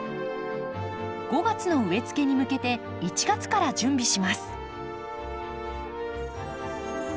５月の植えつけに向けて１月から準備します。